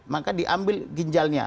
maka diambil ginjalnya